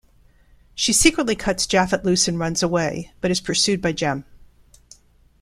She secretly cutsJaphett loose and runs away, but is pursued by Jem.